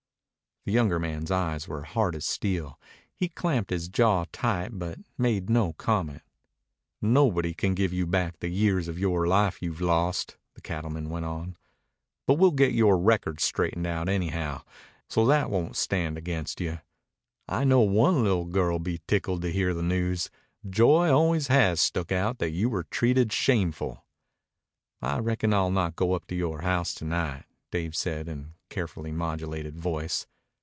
The younger man's eyes were hard as steel. He clamped his jaw tight, but he made no comment. "Nobody can give you back the years of yore life you've lost," the cattleman went on. "But we'll get yore record straightened out, anyhow, so that won't stand against you. I know one li'l' girl will be tickled to hear the news. Joy always has stuck out that you were treated shameful." "I reckon I'll not go up to your house to night," Dave said in a carefully modulated voice.